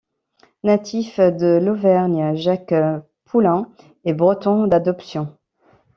Natif de l'Auvergne, Jacques Poulain est breton d'adoption.